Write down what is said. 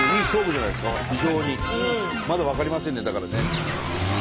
まだ分かりませんねだからね。